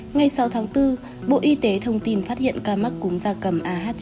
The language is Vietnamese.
ngay sau tháng bốn bộ y tế thông tin phát hiện ca mắc cúm da cầm ah chín